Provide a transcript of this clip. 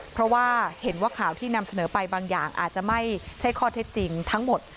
เพราะว่าเห็นว่าข่าวที่นำเสนอไปบางอย่างอาจจะไม่ใช่ข้อเท็จจริงทั้งหมด